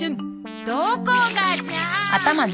どこがじゃ！